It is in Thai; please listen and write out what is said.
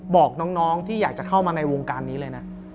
บอกน้องที่อยากจะเข้ามาในวงการนี้เลยนะ